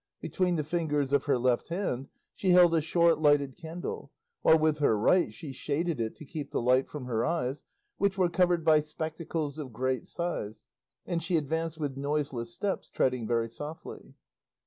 Between the fingers of her left hand she held a short lighted candle, while with her right she shaded it to keep the light from her eyes, which were covered by spectacles of great size, and she advanced with noiseless steps, treading very softly.